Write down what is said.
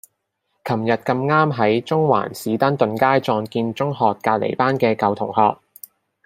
噚日咁啱喺中環士丹頓街撞見中學隔離班嘅舊同學